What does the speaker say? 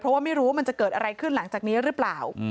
เพราะว่าไม่รู้ว่ามันจะเกิดอะไรขึ้นหลังจากนี้หรือเปล่า